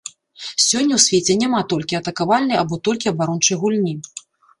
Сёння ў свеце няма толькі атакавальнай або толькі абарончай гульні.